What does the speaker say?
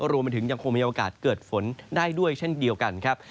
รวมไปถึงยังคงมีโอกาสเกิดฝนได้ด้วยเช่นเดียวกันครับ